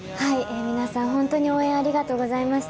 皆さん、本当に応援ありがとうございました。